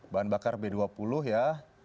bahan bakar b dua puluh ya